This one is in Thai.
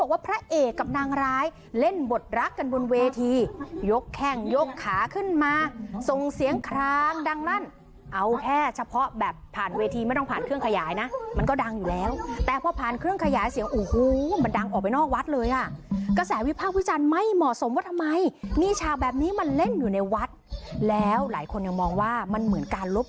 พระเอกกับนางร้ายเล่นบทรักกันบนเวทียกแข้งยกขาขึ้นมาส่งเสียงคลางดังลั่นเอาแค่เฉพาะแบบผ่านเวทีไม่ต้องผ่านเครื่องขยายนะมันก็ดังอยู่แล้วแต่พอผ่านเครื่องขยายเสียงโอ้โหมันดังออกไปนอกวัดเลยอ่ะกระแสวิพากษ์วิจารณ์ไม่เหมาะสมว่าทำไมมีฉากแบบนี้มาเล่นอยู่ในวัดแล้วหลายคนยังมองว่ามันเหมือนการลบ